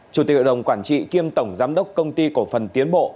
chủ tịch hội đồng quản trị kiêm tổng giám đốc công ty cổ phần tiến bộ